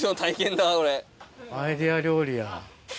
アイデア料理や。